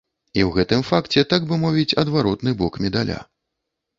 І ў гэтым факце, так бы мовіць, адваротны бок медаля.